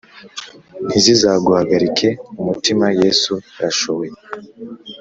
Ntizizaguhagarike umutima yesu arashoboye,